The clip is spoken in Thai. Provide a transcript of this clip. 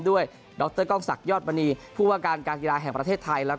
ดรกล้องศักดิยอดมณีผู้ว่าการการกีฬาแห่งประเทศไทยและ